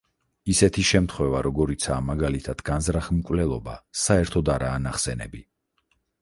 ისეთი შემთხვევა როგორიცაა მაგალითად განზრახ მკვლელობა, საერთოდ არაა ნახსენები.